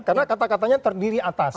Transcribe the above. karena kata katanya terdiri atas